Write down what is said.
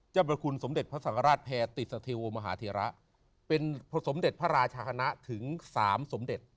จะบรรคุณสมเด็จพระสังฆราชแพร่ติศเทวมหาเทระเป็นสมเด็จพระราชฌาณะถึง๓สมเด็จ